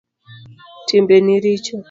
Timbeni richo